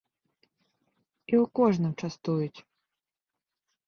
І ў кожным частуюць!!!